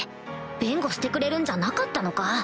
弁護してくれるんじゃなかったのか？